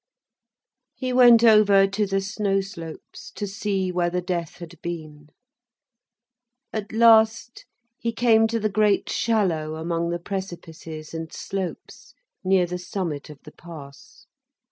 He went over the snow slopes, to see where the death had been. At last he came to the great shallow among the precipices and slopes, near the summit of the pass.